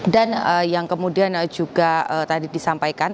dan yang kemudian juga tadi disampaikan